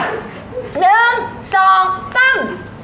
หนึ่งสองสาม